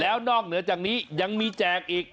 แล้วนอกเหนือจากนี้ยังมีแจกอีก